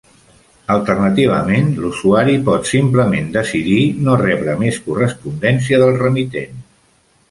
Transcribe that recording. Alternativament, l'usuari pot simplement decidir no rebre més correspondència del remitent.